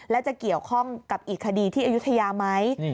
แล้วจะเกี่ยวข้องกับอีกคดีที่อายุทยาไหม